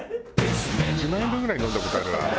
１万円分ぐらい飲んだ事あるわ。